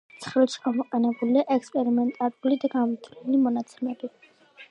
ცხრილში გამოყენებულია ექსპერიმენტალური და გამოთვლილი მონაცემები.